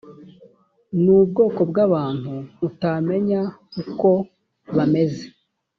ni ubwoko bw’abantu utamenya uko bameze